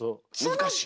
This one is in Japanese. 難しい。